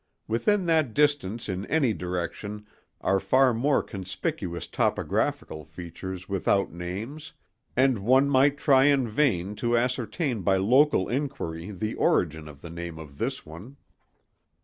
Within that distance in any direction are far more conspicuous topographical features without names, and one might try in vain to ascertain by local inquiry the origin of the name of this one.